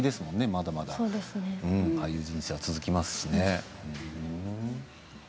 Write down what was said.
まだまだ俳優人生は続きますしね。